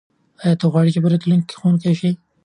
آیا ته غواړې چې په راتلونکي کې ښوونکی شې؟